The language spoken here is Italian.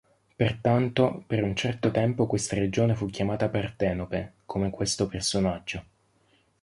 Pertanto, per un certo tempo questa regione fu chiamata Partenope, come questo personaggio.